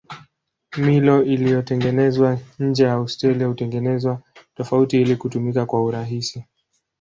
Milo iliyotengenezwa nje ya Australia hutengenezwa tofauti ili kutumika kwa urahisi.